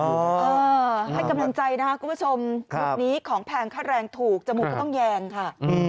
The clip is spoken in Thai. เออให้กำลังใจนะคะคุณผู้ชมจุดนี้ของแพงค่าแรงถูกจมูกก็ต้องแยงค่ะ